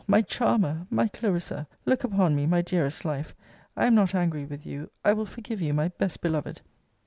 my charmer! my Clarissa! look upon me, my dearest life! I am not angry with you; I will forgive you, my best beloved.